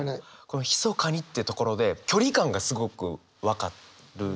この「ひそかに」ってところで距離感がすごく分かる。